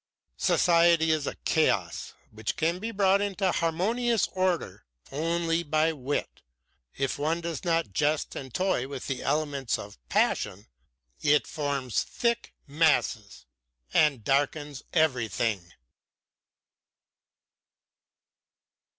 "Society is a chaos which can be brought into harmonious order only by wit. If one does not jest and toy with the elements of passion, it forms thick masses and darkens everything."